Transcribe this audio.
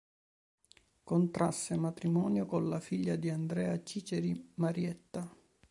Contrasse matrimonio con la figlia di Andrea Ciceri, Marietta.